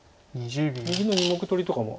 右の２目取りとかも。